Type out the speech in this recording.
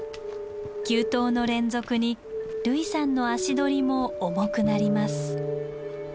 急登の連続に類さんの足取りも重くなります。